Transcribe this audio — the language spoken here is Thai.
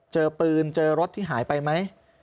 เจอปืนเจอรถที่หายไปไหม